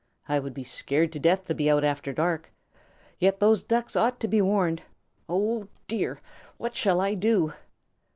I would be scared to death to be out after dark. Yet those Ducks ought to be warned. Oh, dear, what shall I do?"